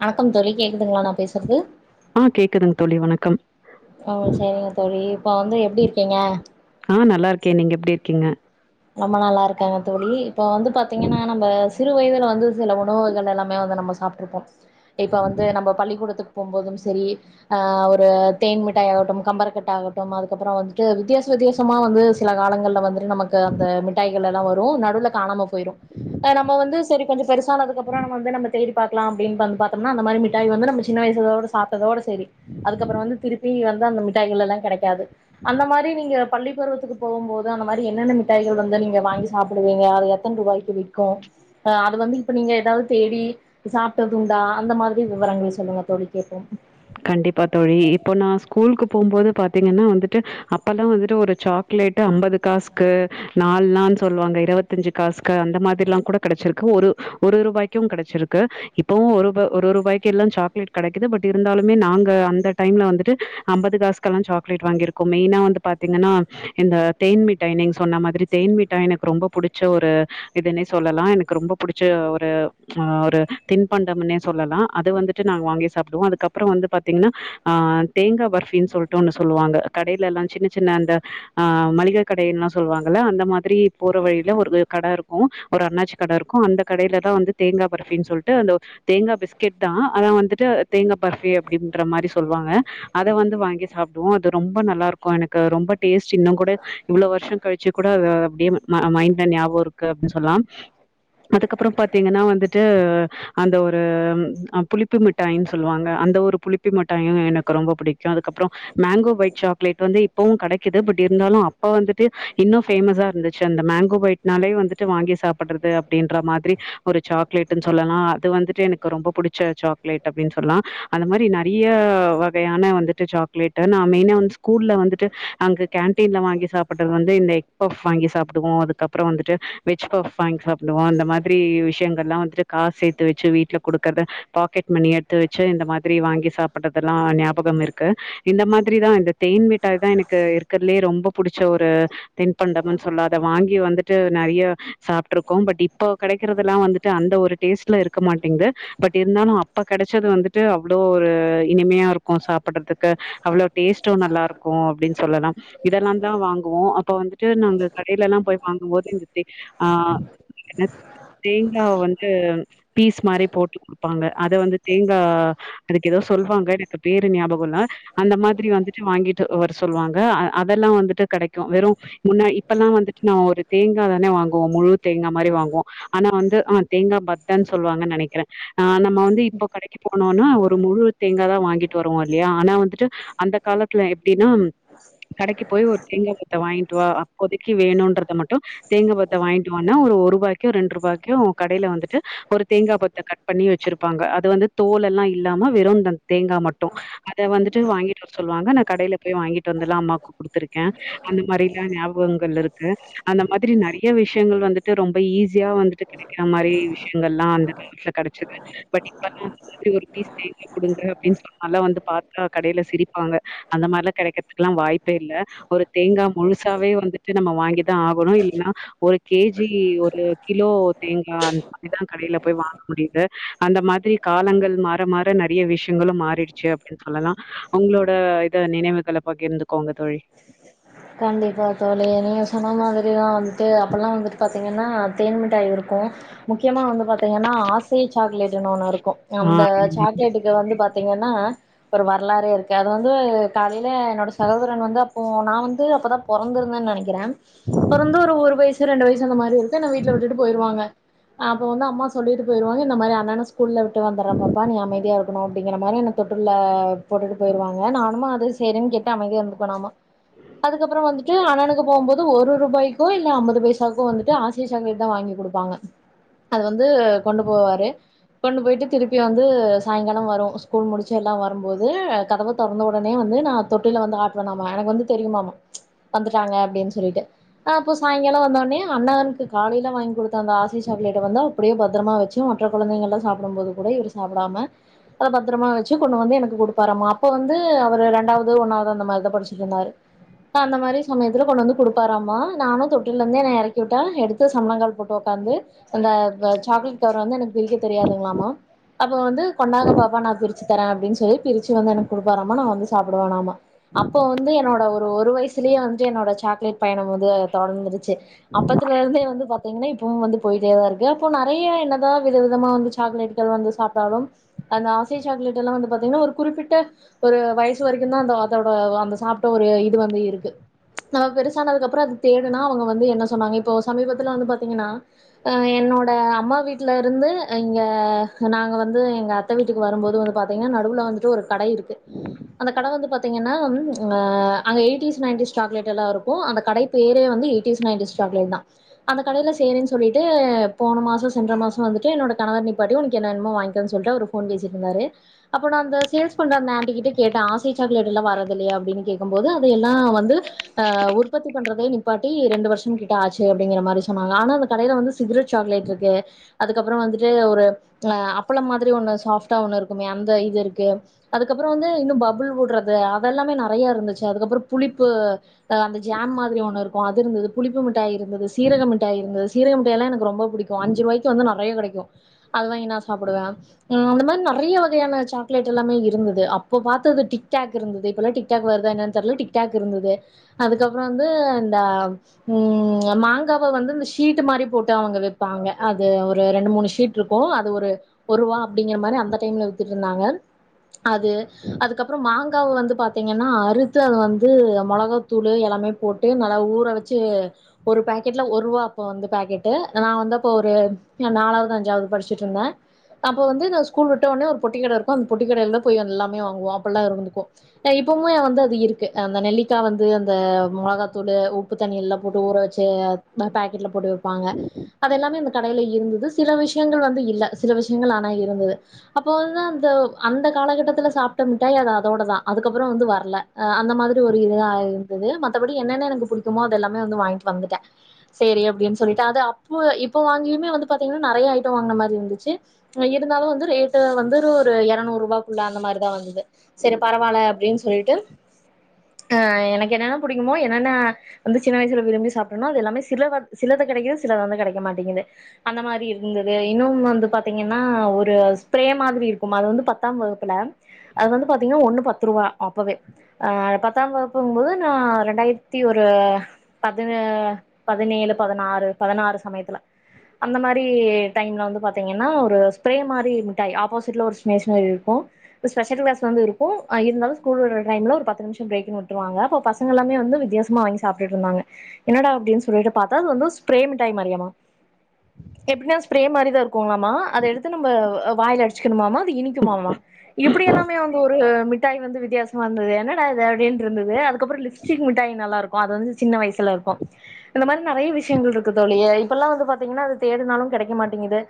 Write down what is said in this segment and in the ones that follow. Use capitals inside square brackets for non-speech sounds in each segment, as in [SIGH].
வணக்கம் தோழி கேக்குதுங்ளா நா பேசுறது ஆ கேக்குதுங்க தோழி வணக்கம். உம் சரிங்க தோழி இப்ப வந்து எப்டி இருக்கீங்க ஆ நல்லா இருக்கே நீங்க எப்டி இருக்கீங்க ரொம்ப நல்லா இருக்கங் தோழி இப்ப வந்து பாத்தீங்கன்னா நம்ப சிறு வயதுல வந்து சில உணவுகள் எல்லாமே வந்து நம்ம சாப்ட்டுருப்போ இப்ப வந்து நம்ப பள்ளிகூடத்துக்கு போம்போதும் சரி ஆஹ் ஒரு தேன் மிட்டாய் ஆகட்டும் கம்பரக்கட் ஆகட்டும் அதுக்கப்புறோ வந்துட்டு வித்தியாச வித்தியாசமா வந்து சில காலங்கள வந்துட்டு நம் க அந்த மிட்டாய்கள் எல்லா ஒரு ரு நடுவுல காணாம போயிரு நம்ம வந்து சரி கொஞ்சோ பெருசானதுக்கப்றோ நம்ம வந்து நம்ம தேடி பாக்லா அப்டினு வந் பாத்தம்னா அந்த மாரி மிட்டாய் வந்து நம்ம சின்ன வயசுல சாப்டதோட ச சரி அதுக்கப்பறோ வந்து திருப்பி வந் தா அந்த மிட்டாய்கலெல்லா கெடைக்காது அந்த மாரி நீங்க பள்ளி பருவத்துக்கு போகு போது அந்த மாரி என்னென்ன மிட் டாய்கள் வந்து நீங்க வாங்கி சாப்புடுவீங்க அது எத்தன ரூபாய்க்கு விக்கு அ அத வந்து இப்ப நீங்க எதாவது தேடி சாப்டதுண்டா அந்த மாதிரி விவரங்கள் சொல்லுங்க தோழி கேப்போ கண்டிப்பா தோழி இப்போ நா ஸ்கூலுக்கு போம்போது பாத்தீங்கன்னா வந்துட்டு அப்பல்லா வந்துட்டு ஒரு சாக்லேட் அம்பது காஸ்கு நால்னானு சொல்லுவாங்க இருவத்தஞ்சு காஸ்கு அந்த மாதிரில்லா கூட கெடச்சிருக்கு ஒரு ஒரு ரூபாய்க்கு கெடச்சிருக்கு இப்பவு ஒருப ஒரு ரூபாய்க்கெல்லா சாக்லேட் கெடைக்குது பட் இ ருந்தாலுமே நாங்க அந்த டைம்ல வந்துட்டு அம்பது காஸ்கெல்லா சாக்லேட் வாங்கிருக்கோ மெயினா வந்து பாத்தீங்கன்னா இந்த தேன் மிட்டாய் நீங்க் சொன்ன மாதிரி தேன் மிட்டாய் எனக்கு ரொம்ப புடிச்ச ஒரு இதுனே சொல்லலா எனக்கு ரொம்ப புடிச்ச ஒரு ஒரு தின்பண்டம்னே சொல்லலா அது வந்துட்டு நா வாங்கி சாப்டுவோ அதுக்கப் ப்றோ வந்து பாத்தீங்கன்னா ஆஹ் தேங்கா பர்ஃபீன்னு சொல்டு ஒண்ணு சொல்லுவாங்க கடைலலா சின்ன சின்ன அந்த ஆஹ் மளிகை கடைலா சொல்லுவாங்கல்ல அந்த மாதிரி போற வழில ஒரு கட இருக்கு ஒரு அண்ணாச்சி கட இருக்கு அந்த கடைல்லா வந்து தேங்கா பர்ஃபின்னு சொல்டு அந்த தேங்கா பிஸ்கெட் தா அனா வந்துட்டு தேங்கா பர்ஃபி அப்டின்ற மாரி சொல்லுவாங்க அத வந்து வாங்கி சாப்டுவோ அது ரொம்ப நல்லா இருக்கொ எனக்கு ரொம்ப டேஸ்ட் இன்னு கூட இவ்ளோ வருஷோ கழிச்சு கூட அது அப்டியே ம மைண்ட்ல ஞாபக இருக்கு அப்டின்னு சொல்லா அதுக்கப்றோ பாத்தீங்கன்னா வந்துட்டு அந்த ஒரு புளிப்பு மிட்டாய்னு சொல்லுவாங்க அந்த ஒரு புளிப்பி மிட்டாயு எனக்கு ரொம்ப புடிக்கு அதுக்கப்றோ மேங்கோ பைட் சாக்லேட் வந்து இப்பவு கெடைக்குது பட் இருந்தாலு அப்ப வந்துட்டு இன்னு ஃபேமஸா இருந்துச்சு அந்த மேங்கோ பைட்னாலே வந்துட்டு வாங்கி சாப்புட்றது அப்டின்ற மாதிரி ஒரு சாக்லேட்டுனு சொல்லலா அது வந்துட்டு எனக்கு ரொம்ப புடிச்ச சாக்லேட் அப்டின்னு சொல்லா அந்த மாரி நெறைய வகையான வந்துட்டு சாக்லேட்டு நா மெயினா வந்து ஸ்கூல்ல வந்துட்டு அங்கு கேன்டீன்ல வாங்கி சாப்புட்றது வந்து இந்த எக் பஃப் வாங்கி சாப்டுவோ அதுக்கப்றோ வந்துட்டு வெஜ் பஃப் வாங்கி சாப்டுவோ அந்த மாதிரி விஷயங்கள்லா வந்துட்டு காஸ் சேத்து வெச்சு வீட்ல குடுக்கற்த பாக்கெட் மணி எடுத்து வச்சு இந்த மாத் த்றி வாங்கி சாப்டதெல்லா ஞாபகம் இருக்கு இந்த மாதிரிதா இந்த தேன் மிட்டாய் தா எனக்கு இருக்கற்லெயே ரொம்ப புடிச்ச ஒரு தின்பண்டம்னு சொல்லாத வாங்கி வந்துட்டு நெறைய சாப்ட்ருக்கோ பட் இப்போ கெடைக்கறதெல்லா வந்துட்டு அந்த ஒரு டேஸ்ட்ல இருக்க மாட்டேங்க்து பட் இருந்தாலு அப்ப கெடைச்சது வந்துட்டு அவ் வ்ளோ ஒரு இனிமையா இருக்கொ சாப்பட்றதுக்கு அவ்ளோ டேஸ்ட்டு நல்லா இருக்கொ அப்டின்னு சொல்லலா இதெல்லா தா வாங்குவோ அப்ப வந்துட்டு நாங்க கடைலலா போய் வாங்குபோது இந்த தி ஆஹ் னு தேங்கா வந்து பீஸ் மாரி போட்டு குடுப்பாங்க அத வந்து தேங்கா அதுக்கு எதோ சொல்வாங்க எனக்கு பேரு நியாபகோல்ல அந்த மாதிரி வந்துட்டு வாங்கிட்டு வர் சொல்வாங்க அ அதெல்லா வந்துட்டு கெடைக்கு வெறு முன்ன இப்ப எல்லா வந்துட்டு நம் ஒரு தேங்கா தானே வாங்குவோ முழு தேங்கா மாரி வாங்குவோ ஆனா வந்து ஆஹ் தேங்கா பத்தனு சொல்லுவாங்க நெனைக்குற ஆஹ் நம்ம வந்து இப்போ கடைக்கி போனோனா ஒ ரு முழு தேங்கா தா வாங்கிட்டு வருவோ இல்லையா ஆனா வந்துட்டு அந்த காலத்துல எப்டின்னா கடைக்கு போய் ஒரு தேங்கா பத்த வாங்கிட்டு வா அப்போதக்கி வேணுன்றத மட்டு தேங்கா பத்த வாங்கிட்டு வான ஒரு ஒருபாயாக்கு ரெண்ட்ருபாய்க்கு கடைல வந்துட்டு ஒரு தேங்கா பத்த கட் பண்ணி வெச்சிருப்பாங்க அது வந்து தோல் எல்லா இ ல்லாம வெறுந்தன் தேங்கா மட்டு அத வந்துட்டு வாங்கிட்டு வர் சொல்லுவாங்க நன் கடைல போய் வாங்கிட்டு வந்தெல்லா அம்மாக்கு குடுத்துருக்கே அந்த மாரில்லா ஞாபகங்கள் இருக்கு அந்த மாதிரி நெறைய விஷயங்கள் வந்துட்டு ரொம்ப ஈஸியா வந்துட்டு கெடைக்கிற மாரி விஷயங்கள்லா அந்த காலத்துல கெடச்சது பட் [INAUDIBLE] நீங்க குடுங்க அப்டின்னு சொன்னாலே வந்து பாத்தா கடைல சிரிப்பாங்க அந்த மாரிலா கெடைக்கறதுக்குல்லா வாய்ப்பே இல்ல ஒரு தேங்கா முழுசாவே வந்துட்டு நம்ம வாங்கி தா ஆகணு இல்ன்னா ஒரு கேஜ் ஜி ஒரு கிலோ தேங்கா அது துதா கடைல போய் வாங்க முடிது அந்த மாதிரி காலங்கள் மா ற மாற நெறைய விஷயங்களு மாறிடுச்சு அப்டின்னு சொல்லலா அவங்க்ளோட இத நினைவுகள பகிர்ந்துக் கண்டிப்பா தோழி நீங்க சொன்ன மாதிரிதா வந் து அப்பல்லா வந்து பாத்தீங்கன்னா தேன் மிட்டாய் இருக்கு முக்கியமா வந்து பாத்தீங்கன்னா ஆசை சாக்லேட்டுனு ஒன்னு இருக் கு ஆ அந்த ம். சாக்லேட்டுக்கு வந்து பாத்தீங்கன்னா ஒரு வர்லாறு இருக்கு அது வந்து காலைல என்னோட சகோதரன் வந்து அப் ப்போ நா வந்து அப்பொதா பொறந்துருந்தே நெனைக்குறே பிறந்து ஒரு ஒரு வய்சு ரெண்டு வய்ச் [UNINTELLIGIBLE] இருக்கு என்ன வீட்ல விட்டுட்டு போய்டுவங்க அப்ப வந்து அம்மா ச் சொல்லிட்டு போயிருவாங்க இந்த மாரி அண்ணனச் ஸ்கூல்லவிட்டு வந்துற பாப்பா நீ அமைதியா இரு கனொ அப்டிங்கிற மாரி என்ன தொட்டுல்ல போட்டுட்டு போயிருவாங்க நானும்மா அது சரின்னு கேட்டு அமைதியா இருந்துப்பேணாமா அதுக்கப்றோ வந்துட்டு அண்ணனுக்கு போம்போது ஒரு ரூபாய்க்கு இல்ல அம்பது பைசாக்கோ வந்துட்டு ஆசை சாக்லேட் தா வாங்கி குடுப்பாங்க. அது வந்து கொண்டு போவாரு கொண்டு போய்ட்டு திருப்பி வந்து சாய்ங்கால வரு ஸ்கூல் முடிச்சு எல்லா வரும்போது கதவு தொரந்த உடனே வந்து நா தொட்டில வந்து ஆட்டுவே நாம எனக்கு வந்து தெரியுமாம வந்துட்டாங்க அப்டின்னு சொல்லிடு அப்போ சாய்ங்காலொ வந்த ஒட்னே அண்ணனுக்கு காலைல வாங்கி கொடுத்த அந்த ஆசை சாக்லட வந்து அப்படியே பத்ரமா வெச்சு மற்ற கெழந்தைங்கள்லா சாப்டம்போது கூட இவரு சாப்டாம அ பத்ரமா வெச்சு கொண்டு வந்து எனக்கு குடுப்பாராமா அப்போ வந்து அவரு ரெண்டாவது ஒன்னாவது அந்த மாரி தா படிச்சுடு இருந்தாரு அந்த மாரி சமயத்துல கொண்டு வந்து குடுப்பாராமா நானு தொட்டில்ல இருந்து என்ன எறக்கி விட்டா எடுத்து சம்ளங்கால் போட்டு ஒக் வந்து அந்த வ சாக்லேட் கவர் வந்து எனக்கு பிரிக்க தெரியாதுங்க்ளாமா அப்ப வந்து கொண்டாங்க பாப்பா நா பிரி தரே அப்டின்னு சொல்லி பிரிச்சு வந்து எனக்கு குடுப்பாராமா நா வந்து சாப்படுவோனாமா அப்போ வந்து என்னோட் ஒரு ஒரு வயசுலேயே வந்து என்னோட சாக்லேட் பயணம் வந் து தொடர்ந்துருச்சு அப்பத்துல இருந்தே வந்து பத் தீங்கன்னா இப்பவூ வந்து போயிட்டேதா இருக்கு அப்போ நெறைய என்னதா வித விதமா வந்து சாக்லேட்கள் வந்து சாப்பிட்டாலும் அந்த ஆசை சாக்லேட் எல்லா வந்து பாத்தீங்கன்னா ஒரு குறிப்பிட்ட ஒரு வயசு வரைக்கூ தா அந்த அதோட அந்த சாப் ஒரு இது வந்து இருக்கு நாம பெருசானதுக்கப்றோ அது தேடுனா அவங்க வந்து என்ன சொன்னாங்க இப்போ சமீபத்துல வந்து பாத்தீங்கன்னா அ என்னோட அம்மா வீட்டுலருந்து இங்க நாங்க வந்து எங்க அத்தை வீட்டுக்கு வரும்போது வந்து பாத்தீங்கன்னா நடுவுல வந்துட்டு ஒரு கடை இருக்கு அந்த கடை வந்து பாத்தீங்கன்னா ம் அங்க அங்க எயிட்டிஸ் நைன்டிஸ் சாக்லேட் எல்லா இருக்கூ அந்த கடை பேரே வந்து எயிட்டிஸ் நைன்டிஸ் சாக்லேட் தா அந்த கடையில செரின்னு சொல்லிட்டு போன மாசோ சென்ற மாசோ வந்துட்டு என்னோட கணவர் நிப்பாட்டி உனக்கு என்ன வேணுமோ வாங்கிக்கேன்னு சொல்லிட்டு அவரு ஃபோன் பேசிட்ருந்தாரு அப்போ நா அந்த சேல் பண்ற அந்த ஆண்ட்டி கிட்ட கேட்டே ஆசை சாக்லட்லா வரதில்லையா அப் அப்டின்னு கேக்கும்போது அதையல்லா வந்து ஆ உற்பத்தி பண்றதே நிப்பாட்டி ரெண்டு வருஷம் கிட்ட ஆச்சு அப்படிங்கிற மாரி சொன்னாங்க ஆனா அந்த கடையில வந்து சிகரெட் சாக்லேட் இருக்கு அதுக்கப்புறம் வந்துட்டு ஒரு ஆ அப்பளம் மாதிரி ஒன்னு சாஃப்டா ஒன்னு இருக்குமே அந்த இது இருக்கு அதுக்கப்றோ வந்து இன்னூ பபுள் விடுறது ஆப் வெல்லாம நாத் றைய இருந்துச்சு அதுக்கப்றோ புளிப்பு அ அந்த ஜேம் மாரி ஒன்னு இருக்கூ அது இருந்துது புளிப்பு மிட்டாய் இருந்துது சீரக மிட்டாய் இருந்துது சீரக மிட்டாயல்லா எனக்கு ரொம்ப பிடிக்கூ அஞ்சு ரூவாய்க்கு வந்து நறைய கிடைக்கூ அது வாங்கி நா சாப்டுவே ஆ அந்த மாத் நெறைய்ய வகையான சாக்லேட் எல்லாம இருந்துது அப்ப பாத்தது டிக்டாக் இருந்துது இப்பல்லா டிக் டாக் வருதா என்னன்னு தெர்ல டிக்டாக் இருந்துது அதுக்கப்றோ வந்து இந்த ம் மாங்காவ வந்து இந்த ஷீட் மாரி போட்டு அவங்க வெப்பாங்க அது ஒரு ரெண்டு மூணு ஷீட்ருக்கூ அது ஒரு ஒரூவ் அப்டிங்கிற மாரி அந்த டைம்ல வித்துட்டு இருந்தாங்க அது அதுக்கப்றோ மாங் காவ வந்து பாத் தீங்கன்னா அறுத்து அது வந்து மொளகா தூளு எல்லாமே போட்டு நல்லா ஊற வச்சு ஒரு பேக்கெட்ல ஒருவா அப்போ வந்து பேக்கெட்டு நா வந்து அப்ப ஒரு நாலாவது அஞ்சாவது படிச்சுட்ருந்தேன் அப்ப வந்து நா ஸ்கூல் விட்ட ஒடனே ஒரு பொட்டி கட இருக்கூ அந்த பொட்டிக்கடையில தா போய் எல்லாமே வாங்குவோ அப்படில்லா இருந்துருக்கோ அ இப்பவூ வந்து அது இருக்கு அந்த நெல்லிக்கா வந்து அந்த மொளகாத்தூளு உப்பு தண்ணியல்லா போட்டு ஊற வச்சு பாக்கெட்ல போட்டு வெப்பாங்க அது எல்லாமே அந்தக் கடையில இருந்துது சில விஷயங்கள் வந்து இல்ல சில விஷயங்கள் ஆனா இருந்துது அப்ப வந்து அந்த அந்த காலகட்டத்துல சாப்ட மிட்டாய் அது அதோட தா அதுக்கப்றோ வந்து வரல ஆ அந்த மாதிரி ஒரு இதா இருந்துது மத்தபடி என்னன்ன எனக்கு பிடிக்குமோ அது எல்லாமே வந்து வாங்கிட்டு வந்துட்டே செரி அப்டின்னு சொல்லிட்டு அது அப்போ இப் போ வாங்கியுமே வந்து பாத்தீங்கன்னா நெறைய ஐட்டோ வாங்கின மாரி இருந்துச்சு இருந்தாலு வந்து ரேட்டு வந்து ஒரு எரநூரூபாக்குள்ள அந்த மாதிரி தா வந்தது செரிப் பரவால்ல அப்டின்னு சொல்லிட்டு ஆ எனக்கு என்னன்ன பிடிக்குமோ என்னன்ன வந்து சின்ன வயசுல விரும்பி சாப்டேனோ அது எல்லாமே சில சிலதை கெடைக்குது சிலது வந்து கெடைக்க மாட்டேங்குது அந்த மாரி இருந்துது இன்னொன்னு வந்து பாத்தீங்கன்னா ஒரு ஸ்ப்ரே மாதிரி இருக்கூ அது வந்து பத்தாம் வகுப்புல அது வந்து பாத் தீங்னா ஒன்னு பத்து ரூவா அப்பவே ஆ பத்தாம் வகுப்பும்போது நா ரெண்டாயிரத்தி ஒரு பதினே பதினேழு பதனாறு பதனாறு சமயத்துல அந்த மாரி டைம்ல வந்து பாத்தீங்னா ஒரு ஸ்ப்ரே மாரி மிட்டாய் ஆபோசிட்ல ஒரு ஸ்னேஷ்னரி இருக்கூ ஸ்பெஷல் கிளாஸ் வந்து இரு கூ இருந்தாலூ ஸ்கூல் விடுற டைம்ல் ஒரு பத்து நிமிஷோ பிரேக்குன்னு விட்ருவாங்க அப்போ பசங்கல்லாமே வந்து வித்யாசமா வாங்கி சாப்டுட்ருந்தாங்க என்னடா அப்டின்னு சொல்லிட்டு பாத்தா அது வந்து ஸ் ப்ரே மிட்டாய் மாரியாமா எப்டினா ஸ்ப்ரே மாரிதா இருக்குங்ளாமா அத எடுத்து நம்ம வாயில அடிச்சுக்கணுமாமா பி இனிக்குமாமா இப்டி எல்லாமே அங்க ஒ ஆ மிட்டாய் வந்து வித்தியாசமா இருந்துது என்னடா இது அப்டின்டுருந்துது அதுக்கப்றோ லிப்ஸ்டிக் மிட்டாய் நல்லாருக்கூ அது வந்து சின்ன வயசுல இருக்கூ இந்த மாரி நெறைய விஷயங்கள் இருக்கு தோழி இப்பல்லா வந்து பாத்தீங்னா அது தேடினாலு கெடைக்க மாட்டேங்குது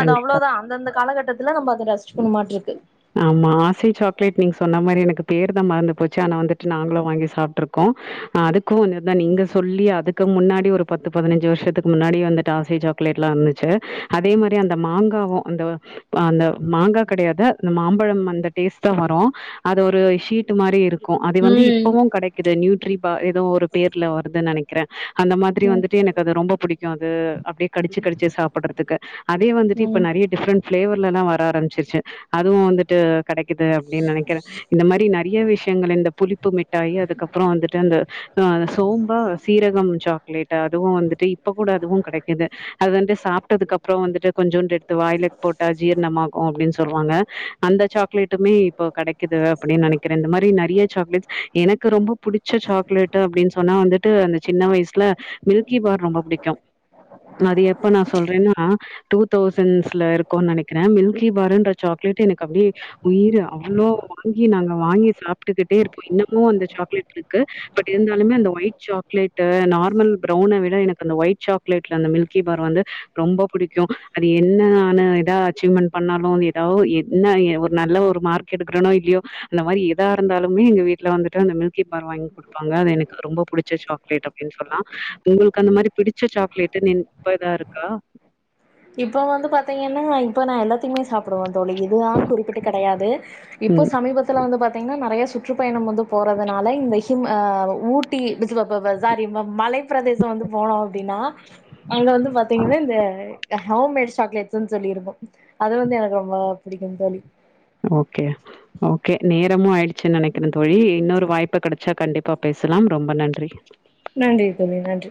அது அவ்ளோதா அந்தந்த காலகட்டத்துல நம்ம அத ரசிச்சுக்கணுமாட்ருக்கு ஆமா ஆசை சாக்லேட் நீங்க சொன்ன மாரி எனக்கு பேர்தா மறந்து போச்சு ஆனா வந்துட்டு நாங்களூ வாங்கி சாப்டுருக்கோ ஆ அதுக்கு ‌ [UNINTELLIGIBLE] நீங்க சொல்லி அதுக்கு முன்னாடி ஒரு பத்து பதினஞ்சு வருஷத்துக்கு முன்னாடி வந்துட்டு ஆசை சாக்லேட் எல்லா இருந்துச்சு அதே மாரி அந்த மாங்காவு அந்த அந்த மாங்கா கெடையாது அந்த மாம்பழம் அந்த டேஸ்ட் தா வரூ அது ஒரு ஷீட்டு மாரி இருக் கூ அது வந்து ம் இப்பவூ கெடைக்குது நியூட்ரிபா ஏதோ ஒ ரு பேர்ல வருது நெனைக்குறே அந்த மாதிரி ம் வந்துட்டு எனக்கு அது ரொம்ப புடிக் யாது அப்டே கடிச்சு கடிச்சு சாப்பிடறதுக்கு அதே வந்துட்டு இப்ப ம் நெறைய டிஃப்ரெண்ட் பிளேவர் லல்லா வர ஆரம்பிச்சிருச்சு அதுவு வந்துட்டு கெடைக்குது அப்டின் நெனைக்கிறே இந்த மாதிரி ந றிய விஷயங்கள் இந்த புளிப்பு மிட்டாயி அதுக்கப்புறோ வந்துட்டு அந்த அ சோம்பா சீரகம் சாக்லேட் அதுவு வந்துட்டு இப்ப கூட அதுவு கெடைக்குது அது வந்து சாப்ட்டதுக்கு அப்புறோ வந்துட்டு கொஞ்சூண்ட் எடுத்து வாய்லெ போட்டா ஜீரணமாகு அப்டீன் சொல்வாங்க அந்த சாக்லேட்டுமே இப்போ கெடைக்குது அப்டின் நெனைக்கிறே இந்த மாரி நெறைய சாக்லேட்ஸ் எனக்கு ரொம்ப புடிச்ச சாக்லேட் அப்டின் சொன்னா வந்துட்டு அந்த சின்ன வயசுல மில்கி பார் ரொம்ப புடிக்கு அது எப்ப நா சொல்றேன்னா டூத் தௌசண்ஸ்ல இருக்கோன் நெனைக்கிறே மில்கி பாருன்ற சாக் கிலேட் எனக்கு அப்டியே உயிரு அவ்ளோ வாங்கி நாங்க வாங்கி சாப்ட்டுக்கிட்டே இருப்போ இன்னமு அந்த சாக்லேட் ருக்கு பட் இருந்தாலுமே அந்த ஒய்ட் சாக்லேட்டு நார்மல் பிரவுன விட எனக்கு அந்த ஒயிட் சாக்லேட்ல அந்த மில்கி பார் வந்து ரொம்ப புடிக்கு அது என்ன ஆன எத அச்சீவ்மெண்ட் பண்ணாலு வேத டவ் எ என்ன ஒரு நல்ல ஒரு மார்க் கெடுக்கிறனோ இல்லியோ அந்த மாரி எதா இருந்தாலுமே எங்க வீட்ல வந்துட்டு அந்த மில்கி பார் வாங்க் குடுப்பாங்க அது எனக்கு ரொம்ப பிடிச்ச சாக்லேட் அப்டின் சொல்லா உங்களுக்கு அந்த மாரி பிடிச்ச சாக்லேட்டு நின் இப்ப ஏதா இருக்கா இப்ப வந்து பாத்தீங்கன்னா இப்போ நா எல்லாதையுமே சாப் புருவ தோழி இதுதானு குறிப்பிட்டு கெடையாது இப்போ ம் சமீபத்துல வந்து பாத்தீங்கன்னா நெறைய ஸ் சுற்றுப்பயணம் வந்து போறதுனால இந்த ஹிம் ஆ ஊட்டி சாரி ம மலை பிரதேசோ வந்து போனோ அப்டின்னா அங்க வந்து பாத்தீங்கன்னா இந்த ஹோம் மேட் சாக்லேட்ஸ்ன்னு சொல்லி இருக்கு அது வந்து எனக்கு ரொம்ப புடிக்கு தோழி ஓகே ஓகே நேரமும் ஆயிடுச்சுன் நெனைக்கிறே தோழி இன்னொரு வாய்ப்பு கெடச்சா கண்டிப்பா பேசலாம் ரொம்ப நன்றி நன்றி [UNINTELLIGIBLE] நன்றி